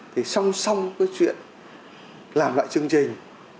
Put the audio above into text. thì song song cái chuyện làm lại chương trình